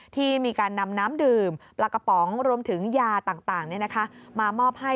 ที่มีการนำน้ำดื่มปลากระป๋องรวมถึงยาต่างมามอบให้